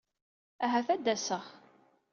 Ahat ad aseɣ.